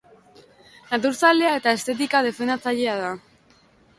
Natur zalea eta estetika defendatzailea da.